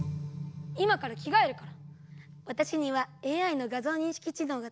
今からきがえるから」。